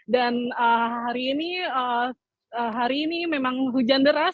dan hari ini memang hujan deras